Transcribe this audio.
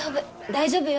大丈夫よ。